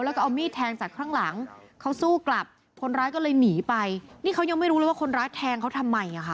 แล้วก็เอามีดแทงจากข้างหลังเขาสู้กลับคนร้ายก็เลยหนีไปนี่เขายังไม่รู้เลยว่าคนร้ายแทงเขาทำไมอ่ะค่ะ